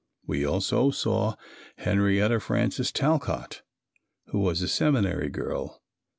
We also saw Henrietta Francis Talcott, who was a "Seminary girl."